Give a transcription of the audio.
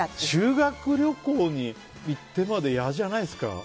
修学旅行に行ってまで嫌じゃないですか？